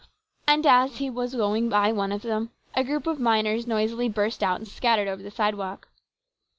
And as he was going by one of them, a crowd of miners noisily burst out and scattered over the sidewalk.